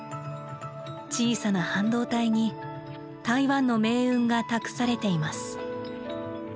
小さな半導体に台湾の命運が託されています。